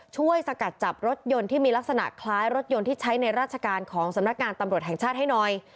สกัดจับรถยนต์ที่มีลักษณะคล้ายรถยนต์ที่ใช้ในราชการของสำนักงานตำรวจแห่งชาติให้หน่อย